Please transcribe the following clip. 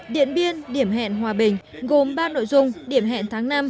điện biên điểm hẹn hòa bình gồm ba nội dung điểm hẹn tháng năm